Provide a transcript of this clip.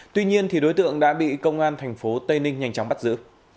tuy nhiên đối tượng đã bị công an thành phố tây ninh nhanh chóng bắt giữ